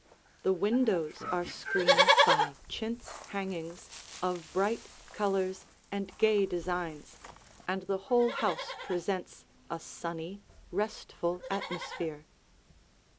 The windows are screened by chintz hangings of bright colors and gay designs, and the whole house presents a sunny, restful atmosphere.